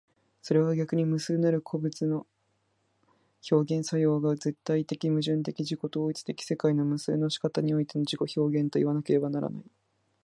それは逆に無数なる個物の表現作用が絶対矛盾的自己同一的世界の無数の仕方においての自己表現といわなければならない。